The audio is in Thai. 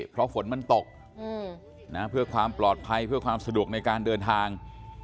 เพราะฝนมันตกเพื่อความปลอดภัยเพื่อความสะดวกในการเดินทาง